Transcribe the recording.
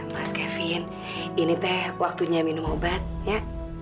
mas kevin ini teh waktunya minum obat ya